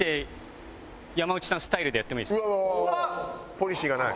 ポリシーがない。